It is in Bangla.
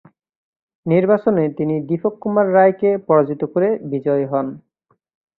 নির্বাচনে তিনি দীপক কুমার রায়কে পরাজিত করে বিজয়ী হন।